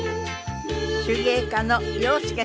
手芸家の洋輔さん